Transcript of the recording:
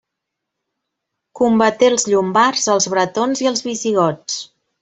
Combaté els llombards, els bretons i els visigots.